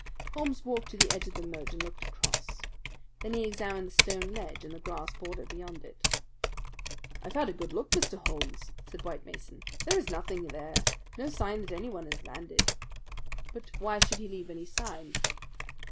Holmes walked to the edge of the moat and looked across. Then he examined the stone ledge and the grass border beyond it. "I've had a good look, Mr. Holmes," said White Mason. "There is nothing there, no sign that anyone has landed but why should he leave any sign?"